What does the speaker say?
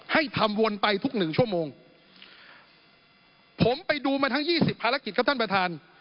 ให้ทำวนไปทุกหนึ่งชั่วโมงผมไปดูมาทั้งยี่สิบภารกิจครับท่านประธาน